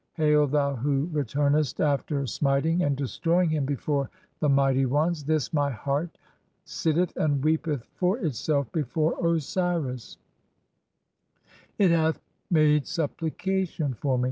Hail, thou who returnest after "smiting and destroying him before the mighty ones! (4) This "my heart (dbj [sitteth] and weepeth for itself before Osiris ; it "hath made supplication for me.